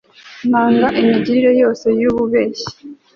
nkanga imigirire yose y'ububeshyi